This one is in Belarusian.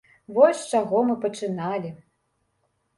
Вось з чаго мы пачыналі.